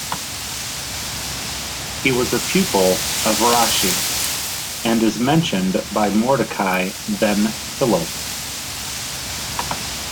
He was a pupil of Rashi, and is mentioned by Mordecai ben Hillel.